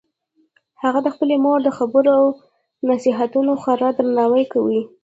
هغه د خپلې مور د خبرو او نصیحتونو خورا درناوی کوي